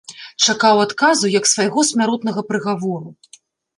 Чакаў адказу як свайго смяротнага прыгавору.